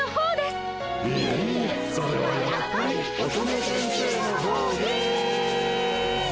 いえいえそれはやっぱり乙女先生の方です！